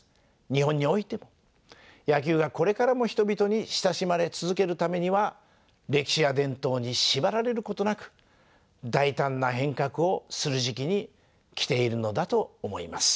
日本においても野球がこれからも人々に親しまれ続けるためには歴史や伝統にしばられることなく大胆な変革をする時期に来ているのだと思います。